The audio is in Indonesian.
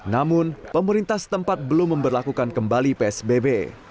namun pemerintah setempat belum memperlakukan kembali psbb